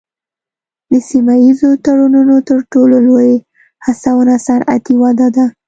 د سیمه ایزو تړونونو تر ټولو لوی هڅونه صنعتي وده ده